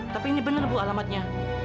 tapi ini benar bu alamatnya